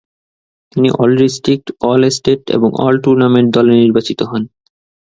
তিনি all-district, all-state এবং all-tournament দলে নির্বাচিত হন।